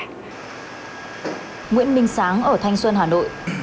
nguyễn minh sáng ở thanh xuân hà nội